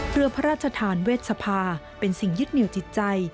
เพื่อพระราชทานเวชภาเป็นสิ่งยึดเหนียวจิตใจ